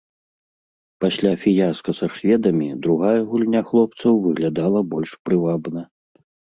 Пасля фіяска са шведамі другая гульня хлопцаў выглядала больш прывабна.